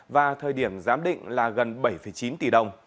và thời điểm giám định là gần bảy chín tỷ đồng